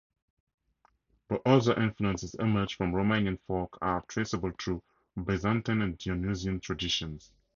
But other influences emerge from Romanian folk art traceable through Byzantine and Dionysian traditions.